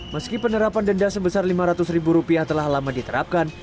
meski penerapan denda sebesar lima ratus ribu rupiah telah lama diterapkan